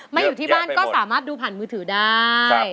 อยู่ที่บ้านก็สามารถดูผ่านมือถือได้